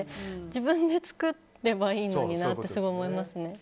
自分で作ればいいのになって思いますね。